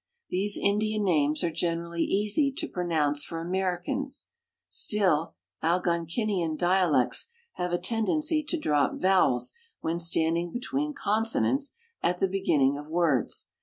These Indian names are generally easy to pronounce for Americans; still, Algonkin ian dialects have a tendency to drop vowels when standing be tweeii consonants at the beginning of words.